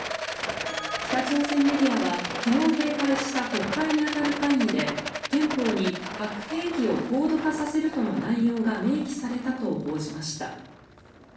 北朝鮮メディアは昨日閉会した国会に当たる会議で憲法に核兵器を高度化させるとの内容が明記されたと報じました。